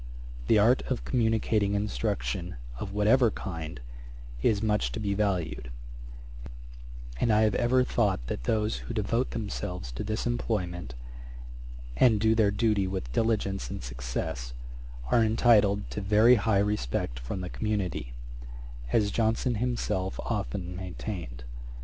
The art of communicating instruction, of whatever kind, is much to be valued; and I have ever thought that those who devote themselves to this employment, and do their duty with diligence and success, are entitled to very high respect from the community, as Johnson himself often maintained.